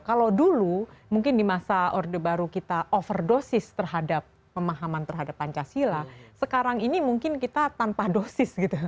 kalau dulu mungkin di masa orde baru kita overdosis terhadap pemahaman terhadap pancasila sekarang ini mungkin kita tanpa dosis gitu